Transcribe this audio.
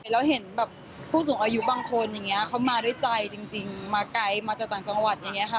แล้วเห็นผู้สูงอายุบางคนเขามาด้วยใจจริงมาไกลมาจากต่างจังหวัด